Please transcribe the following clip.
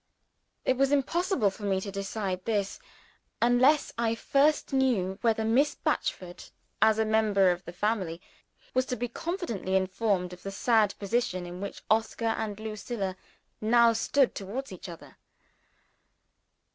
It was impossible for me to decide this, unless I first knew whether Miss Batchford, as a member of the family, was to be confidentially informed of the sad position in which Oscar and Lucilla now stood towards each other.